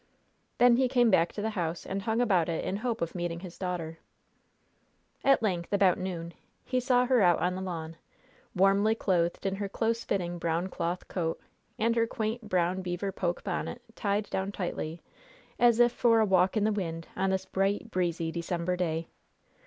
Then he came back to the house and hung about it in hope of meeting his daughter. At length, about noon, he saw her out on the lawn, warmly clothed in her close fitting brown cloth coat, and her quaint brown beaver poke bonnet tied down tightly as if for a walk in the wind on this bright, breezy December day.